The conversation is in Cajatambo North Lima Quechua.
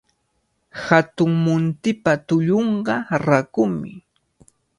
Hatun muntipa tullunqa rakumi.